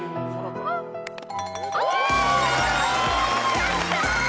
やった！